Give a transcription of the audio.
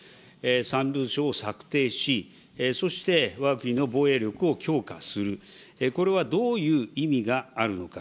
３文書を策定し、そしてわが国の防衛力を強化する、これはどういう意味があるのか。